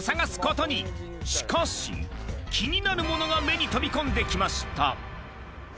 靴気になるものが目に飛び込んできました